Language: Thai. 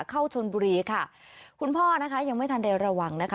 เข้าชนบุรีค่ะคุณพ่อนะคะยังไม่ทันได้ระวังนะคะ